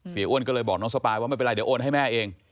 อ้วนก็เลยบอกน้องสปายว่าไม่เป็นไรเดี๋ยวโอนให้แม่เอง